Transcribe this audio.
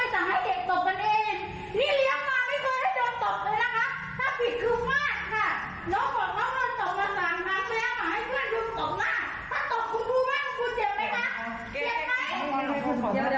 ถ้าตบมาสามทางแม่ขอให้เพื่อนคุณตบมาถ้าตบคุณครูมากคุณเจียบไหมคะเจียบไหม